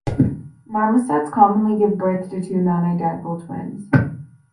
Marmosets commonly give birth to two non-identical twins.